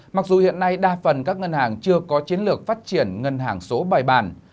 mặc dù hiện nay đa phần các ngân hàng chưa có chiến lược phát triển ngân hàng số bài bản